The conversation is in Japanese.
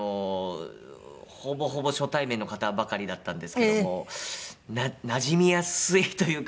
ほぼほぼ初対面の方ばかりだったんですけどもなじみやすいというか。